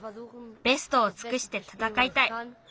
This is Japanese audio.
ベストをつくしてたたかいたい。